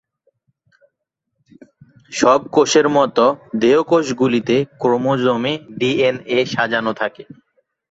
সব কোষের মতো, দেহকোষগুলিতে ক্রোমোজোমে ডিএনএ সাজানো থাকে।